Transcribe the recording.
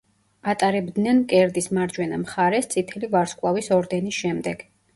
ატარებდნენ მკერდის მარჯვენა მხარეს, წითელი ვარსკვლავის ორდენის შემდეგ.